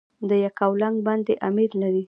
د یکاولنګ بند امیر لري